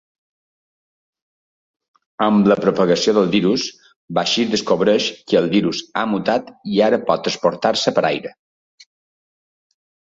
Amb la propagació del virus, Bashir descobreix que el virus ha mutat i ara pot transportar-se per aire.